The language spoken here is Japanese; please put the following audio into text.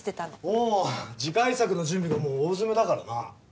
おぉ次回作の準備がもう大詰めだからな。